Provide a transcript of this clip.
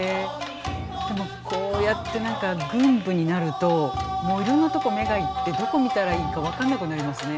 でもこうやって何か群舞になるともういろんなとこ目が行ってどこ見たらいいか分かんなくなりますね。